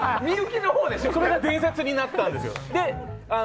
これが伝説になったんです。